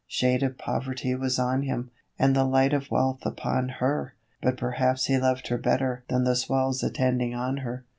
Shade of Poverty was on him, and the light of Wealth upon her, But perhaps he loved her better than the swells attending on her.)